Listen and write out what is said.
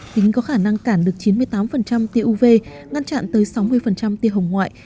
kính có khả năng cản được chín mươi tám tia uv ngăn chặn tới sáu mươi tia hồng ngoại